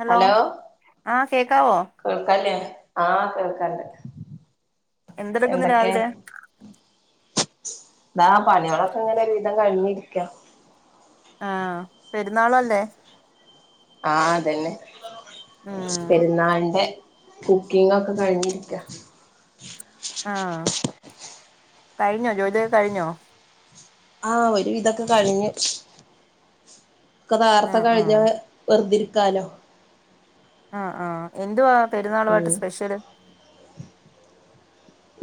Hello ആഹ് കേക്കാവോ? കേൾക്കാല്ലേ ആഹ് കേൾക്കണ്ട് എന്തെടുക്കുന്നു എന്തൊക്കെ? രാവിലെ ദാ പണികളൊക്കെ ഇങ്ങനെ ഒരു വിധം കഴിഞ്ഞിരിക്കാ ആ പെരുന്നാളല്ലേ? ആ അതന്നെ പെരുന്നാളിന്റെ കുക്കിങ്ങാക്കെ കഴിഞ്ഞിരിക്കാ ആഹ് കഴിഞ്ഞോ ജോലിയൊക്കെ കഴിഞ്ഞോ? ആഹ് ഒരു വിധോക്കെ കഴിഞ്ഞു ഒക്കെ നാർത്തെ കഴിഞ്ഞ ആഹ് വെറുതിരിക്കാലോ ആഹ് ആഹ് എന്തുവാ പെരുന്നാളുവായിട്ട് ഉം സ്പെഷ്യല്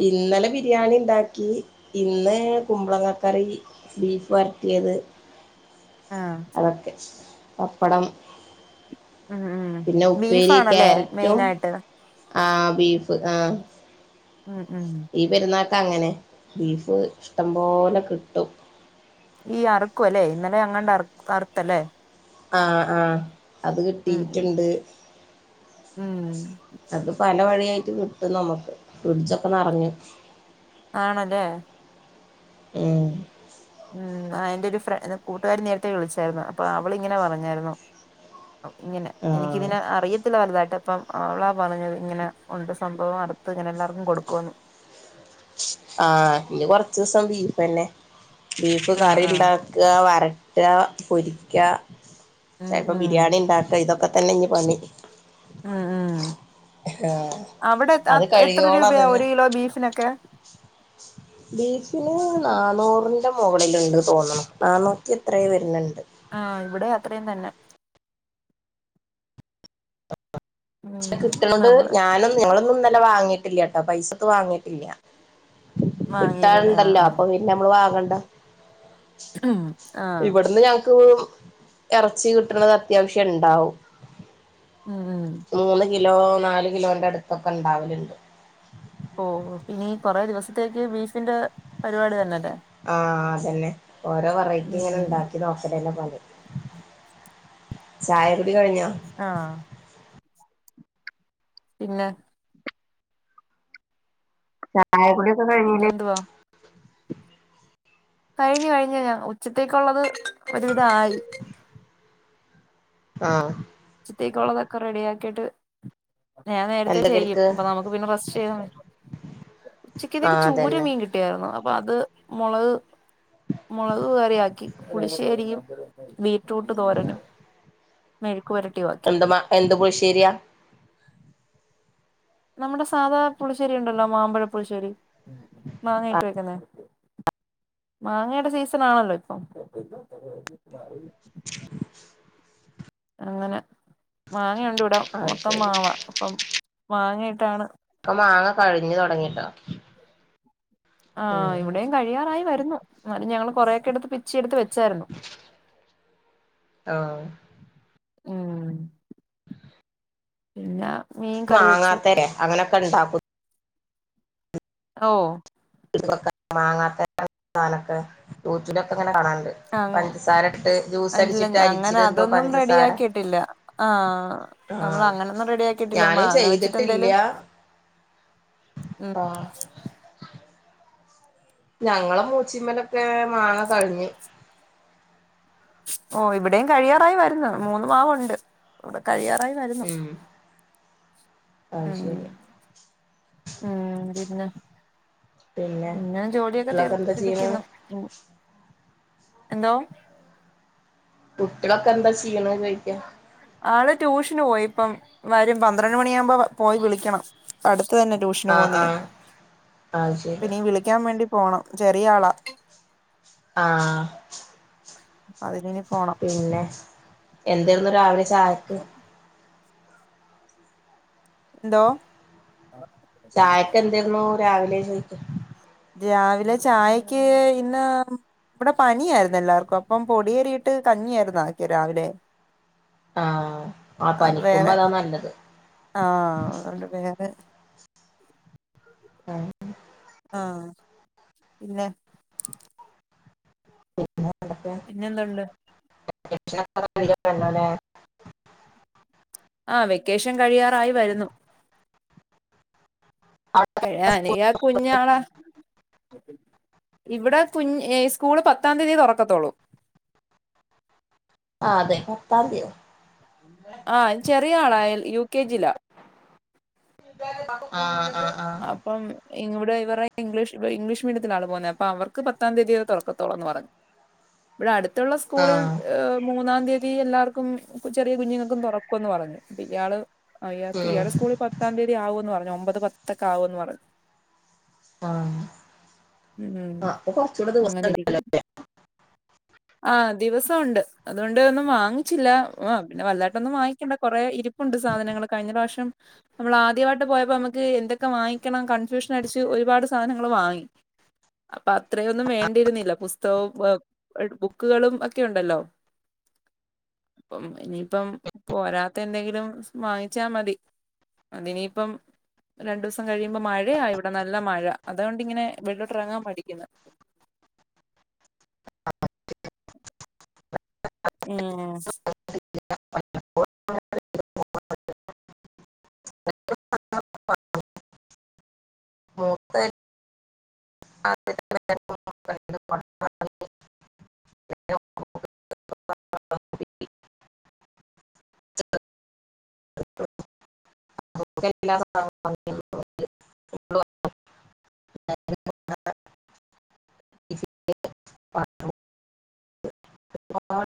ഇന്നലെ ബിരിയാണി ഇണ്ടാക്കി ഇന്ന് കുമ്പളങ്ങക്കറി ബീഫ് വരട്ടിയത് ആ അതൊക്കെ പപ്പടം ഉം ഉം പിന്നെ ഉപ്പേരി ബീഫാണല്ലേ ക്യാരറ്റും മെയിനായിട്ട് ആഹ് ബീഫ് ആഹ് ഉം ഉം ഈ പെരുന്നാക്ക് അങ്ങനെ ബീഫ് ഇഷ്ടം പോലെ കിട്ടും ഈ അറ്ക്കു അല്ലേ ഇന്നലെ എങ്ങാണ്ട് അർ അറുത്തല്ലേ ആഹ് ആഹ് അത് ഉം ഉം കിട്ടിട്ട്ണ്ട് ഉം അപ്പൊ പല വഴിയായിട്ട് കിട്ടും നമക്ക് ഫ്രീഡ്ജോക്കെ നറഞ്ഞു ആണല്ലേ ഏഹ് ഉം എന്റെ ഒരുഫ്ര കൂട്ടുകാരി നേരത്തെ വിളിച്ചായിരുന്നു അപ്പൊ അവളിങ്ങനെ പറഞ്ഞായിരുന്നു ഇങ്ങനെ ആഹ് എനിക്കിതിനെ അറിയത്തില്ല വലുതായിട്ട് അപ്പം അവളാ പറഞ്ഞത് ഇങ്ങനെ ഉണ്ട് സംഭവം അടുത്ത് ഇങ്ങനെ എല്ലാർക്കും കൊടുക്കുഎന്ന് ആഹ് ഇഞ്ഞി കൊറച് സം ബീഫ് തന്നെ ബീഫ് ആഹ് കറി ഇണ്ട ആഹ് ക്കാ വരട്ട പൊരിക്ക ഉം ചെലപ്പോ ഉം ബിരിയാണി ഇണ്ടാക്ക ഇതൊക്കെത തന്നെ ഇഞ്ഞി പണി ഉം ഉം ആഹ് അവിടെ അത് എത്ര കഴിയോളം രൂപയാ അതന്നെ ഒരു കിലോ ബീഫിനൊക്കെ [inaudible] ബീഫിന് നന്നൂറിന്റെ മുകളിലുണ്ട് തോന്ന്ണ് നന്നൂറ്റി എത്രെ വരുന്ണ്ട് ആഹ് ഇവിടെ അത്രയും തന്നെ ഉം പക്ഷെ കിട്ടണണ്ട് നമ്മള് ഞാനൊന്നും ഞങ്ങളൊന്നും ഇന്നലെ വാങ്ങിയിട്ടില്ല കേട്ടോ പൈസത്ത് വാങ്ങിയിട്ടില്ല വാങ്ങീലല്ലേ ആഹ് കിട്ടാനുണ്ടല്ലോ അപ്പൊ പിന്നെ നമ്മള് വാങ്ങണ്ട ഉം ഇവിടുന്ന് ഞങ്ങക്ക് ഇറച്ചി കിട്ടണത് അത്യാവശ്യം ഇണ്ടാവും ഉം മൂന്ന് കിലോ നാല് കിലോന്റെ അടുത്തൊക്കെ ഇണ്ടാവല്ണ്ട് ഓ ഇപിഞ്ഞി കൊറെ ദിവസത്തേക്ക് ബീഫിന്റെ പരിപാടി തന്നെല്ലേ ആഹ് അതന്നെ ഓരോ വെറൈറ്റി ഇങ്ങനെ ഉം ഇണ്ടാക്കി നോക്കലന്നെ പണി ചായകുടി കഴിഞ്ഞോ ആഹ് പിന്നെ ചായകുടി പിന്നെന്തുവാ കഴിഞ് കഴിഞ് ഞൻ ഉച്ചത്തേക്കുള്ളത് ഒരുവിധ ആയി ആഹ് ഉച്ചത്തെക്കുള്ളതൊക്കെ റെഡിയ ആക്കിട്ട് ഞാൻ നേരത്തെ എന്ത ചെയ്യും കടിക്ക് അപ്പൊ നമുക്ക് പിന്നെ റസ്റ്റ് ചെയ് ഉച്ചയ്ക്ക്തേക്ക് പിന്നെ ആഹ് അതന്നെ ചൂരമീ കിട്ടി ട്യരുന്നു അപ്പൊ അത് മോളക് മോളക് കറി ആക്കി പുളിശ്ശേരിയും ബീട്ട്റൂട്ട് തോരനും മെഴുക്കുവരട്ടി [unintelligible] എന്ത് പുളിശ്ശേരിയ നമ്മുടെ സാധാ പുളിശേരി ഇണ്ടല്ലോ മാമ്പഴ പുളിശേരി ആ മാങ്ങയിട്ട് വെക്കുന്നേ മാങ്ങയടെ സീസൺ ആണല്ലോ ഇപ്പം [unintelligible] [unintelligible] അങ്ങനെ മാങ്ങയുണ്ട് ഇവിടെ അത് മൊത്തം ശരി മാവാ അപ്പം മാങ്ങയിട്ടഅങ്ങനെ ഇപ്പ മാങ്ങ കഴിഞ്ഞ് തൊടങ്ങ്യല്ലോ. ആ ഇവടെയും കഴിയാറായി വരുന്നു ഇന്നാലും ഞങ്ങള് കൊറെക്കെ എടുത്ത് പിച്ചി എടുത്ത് വെച്ചായിർന്നു ആഹ്. ഇല്ല മാങ്ങാത്തരെ അങ്ങനക്ക ഇണ്ടാക്കും ഓഹ് [unintelligible] വാങ്ങാത്ത സാനൊക്ക [unintelligible] ഇങ്ങനെ കാണാനുണ്ട് ആഹ് പഞ്ചസാര ഇട്ട് ജ്യൂസ് അല്ല അട്ച്ചിട്ട് അങ്ങനെ അരിച്ച്ലെന്തോ അതൊന്നും പഞ്ചസാര റെഡിയാക്കിയിട്ടില്ല ആഹ് നമ്മള് ആഹ് അങ്ങനൊന്നും റെഡി ആക്കിട്ടില്ല ഞാനും മാങ്ങ വെച്ച്ട്ട് ചെയ്തിട്ടില്ല എന്തേലും ഉം ആഹ് ഞങ്ങള മൂച്ചിമ്മലൊക്കെ മാങ്ങ കഴിഞ്ഞു ഓ ഇവടെയും കഴിയാറായി വരുന്ന് മൂന്ന് മാവുണ്ട് ഇവട കഴിയാറായി വരുന്നു ഉം അത് ഉം ശരി ഉം പിന്നെ പിന്നെ ജോലിയൊക്ക കുട്ടികളൊക്കെ എന്താ തീർത്ത്ട്ട് ചെയ്യണ് ഇരിക്കുന്നു എന്തോ കുട്ടിളൊക്കെ എന്താ ചെയ്യ്ണ് ചോയ്ക്ക ആള് ട്യൂഷന് പോയി ഇപ്പം വരും പന്ത്രണ്ട് മണിയാമ്പോ പോയി വിളിക്കണം. അട്ത്ത തന്നെ ട്യൂഷന് ആഹ് പോവുന്നേ ആഹ് അത് ശരി അപ്പ നീ വിളിക്ക്യാം വേണ്ടി പോണം ചെറിയ ആളാ ആഹ് അതിനിനി പോണം പിന്നെ എന്തേര്ന്നു രാവിലെ ചായക്ക് എന്തോ ചായക്ക്‌ എന്തേനു രാവിലെ ചോയിക്കാ രാവിലെ ചായക്ക് ഇന്ന് ഇവിടെ പനിയായിരുന്നു എല്ലാവർക്കും അപ്പം പൊടിയരിയിട്ട് കഞ്ഞിയായിരുന്നു ആക്കിയെ രാവിലെ. ആഹ് ആ അത് പനിക്കുമ്പ വേറെ അതാ നല്ലത് ആഹ് അതുകൊണ്ട് പിന്നെ ആഹ് ആഹ് പിന്നെ പിന്നെ വേറേന്തക്കെ പിന്നെന്താള്ള്. ണ്ടല്ലേ [unintelligible] ആഹ് വെക്കേഷൻ കഴിയാറായി വരുന്നു. ആഹ് [unintelligible] കുഞ്ഞാളാ ഇവടെ കുഞ് സ്കൂള് പത്താം തീയതി തൊറക്കത്തോള്ളൂ. ആ അതെ പത്താംന്ത്യോ ആ ചെറിയ ആളാ എൽ യു കെ ജിലാ ആഹ് ആഹ് അപ് ഇപ്പം ഇവടെ ഇവറെ ഇംഗ്ലീഷ് ഇംഗ്ലീഷ് മീഡിയത്തിലാള് പോവുന്നെ അപ്പ അവർക്ക് പത്താം തീയതി തൊറക്കത്തോള്ളൂന്ന് പറഞ് ഇവിടെ അടുത്തുള്ള ആഹ് സ്കൂളിൽ ആഹ് മൂന്നാംതി ഈ എല്ലാർക്കും ചെറിയ കുഞ്ഞുങ്ങൾക്കും തൊറക്കുംന്ന് പറഞ്ഞു ഇയാള് ആഹ് ഇയാക്ക് ഉം ഇയാളെ സ്കൂള്ള് പ- പത്താം തീയതി ആവൂന്ന് പറഞ്ഞു ഒമ്പത് പത്തൊക്കെ ആവൂന്ന് പറഞ്ഞു ആഹ് ഉം അപ്പൊ കൊറച്ചൂടെ ദിവസം അങ്ങനെ ഉണ്ടല്ലോ ഇരിക്കുന്നു. ആ ദിവസം ഉണ്ട് അതുകൊണ്ട് ഒന്നും വാങ്ങിച്ചില്ല ആ പിന്നെ വല്ലാട്ടന്നും വാങ്ങിക്കണ്ട കുറെ ഇരി പ്പുണ്ട് സാധനങ്ങൾ കഴിഞ്ഞ പ്രാവശ്യം നമ്മൾ ആദ്യമായിട്ട് പോയപ്പോ നമ ക്ക് എന്തൊക്കെ വാങ്ങിക്കണം കൺഫ്യൂഷൻ അടിച്ച് ഒരുപാട് സാധനങ്ങൾ വാങ്ങി. അപ്പ അത്രയൊന്നും വേണ്ടിയിരുന്നില്ല പുസ്തകവും ബുക്കുകളും ഒക്കെ ഉണ്ടല്ലോ ഉം ഇനിയിപ്പം പോരാത്തെ എന്തെങ്കിലും വാങ്ങിച്ചാ മതി. അതിനിയിപ്പം രണ്ടൂസം കഴിയുമ്പം മഴയാ ഇവടെ നല്ല മഴ അതുകൊണ്ടിങ്ങനെ വെളിയിലോട്ടറങ്ങാം മടിക്കുന്നു [unintelligible] ഏഹ് [unintelligible] [unintelligible] മൂത്ത [unintelligible] [unintelligible] [unintelligible] [unintelligible] [unintelligible]